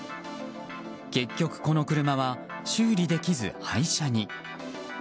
結局この車は修理できず廃車に。